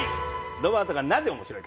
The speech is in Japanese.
ロバートがなぜ面白いか。